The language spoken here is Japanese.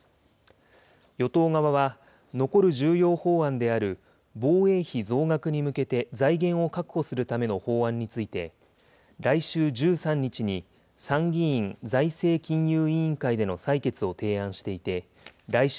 与党側は、残る重要法案である防衛費増額に向けて財源を確保するための法案について、来週１３日に参議院財政金融委員会での採決を提案していて、来週